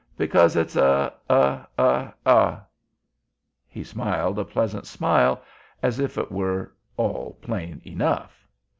Because it's a—a—a—a—." He smiled a pleasant smile, as if it were all plain enough.